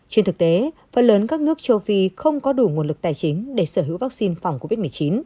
trên thực tế phần lớn các nước châu phi không có đủ nguồn lực tài chính để sở hữu vaccine phòng covid một mươi chín